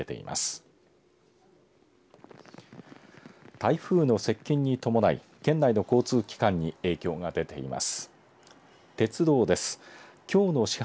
台風の接近に伴い県内の交通機関に影響が出ています。